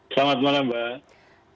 selamat malam mbak